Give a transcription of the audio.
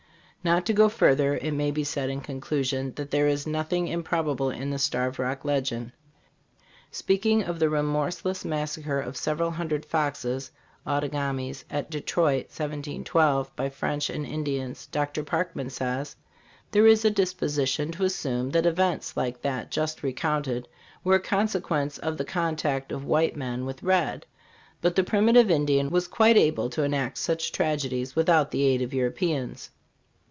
Not to go further, it may be said in conclusion that there is nothing im probable in the Starved Rock legend. Speaking of the remorseless massacre of several hundred Foxes (Outagamies) at Detroit, 1712, by French and Ind ians, Dr. Parkman* says :" There is a disposition to assume that events like that just recounted were a consequence of the contact of white men with red, but the primitive Indian was quite able to enact such tragedies without the aid of Europeans.